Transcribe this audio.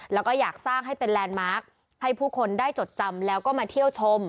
แล้วก็อยากสร้างให้เป็นแลนด์มาร์คให้ผู้คนได้จดจำแล้วก็มาเที่ยวชม